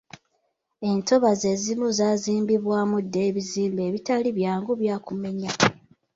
Entobazi ezimu zaazimbibwamu dda ebizimbe ebitali byangu bya kumenya.